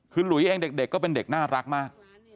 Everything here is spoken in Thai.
คือหลุยเองเด็กก็เป็นเด็กน่ารักมาก